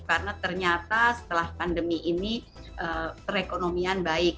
karena ternyata setelah pandemi ini perekonomian baik